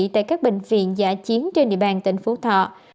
tại các bệnh viện giả chiến trên địa bàn tỉnh phú thọ